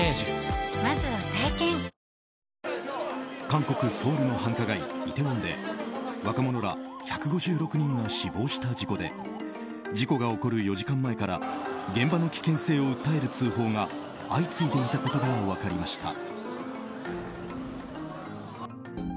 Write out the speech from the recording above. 韓国ソウルの繁華街イテウォンで若者ら１５６人が死亡した事故で事故が起こる４時間前から現場の危険性を訴える通報が相次いでいたことが分かりました。